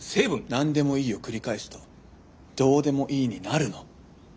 「なんでもいい」を繰り返すと「どうでもいい」になるの。